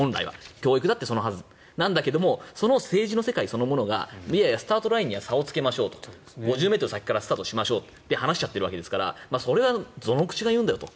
教育だってそのはずなんだけど政治の世界そのものがスタート自体に差をつけよう５０ｍ先からスタートしましょうって話しちゃってるわけですからどの口が言うんだよと。